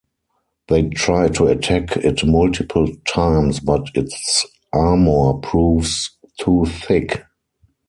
They try to attack it multiple times but its armor proves too thick.